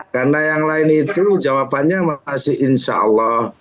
karena yang lain itu jawabannya masih insya allah